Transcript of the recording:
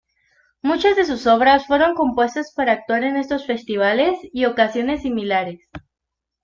Muchas de sus obras fueron compuestas para actuar en estos festivales y ocasiones similares.